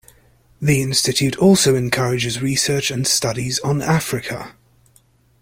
The Institute also encourages research and studies on Africa.